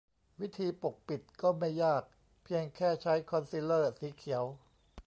วิธีปกปิดก็ไม่ยากเพียงแค่ใช้คอนซีลเลอร์สีเขียว